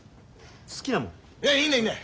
いやいいんだいいんだ。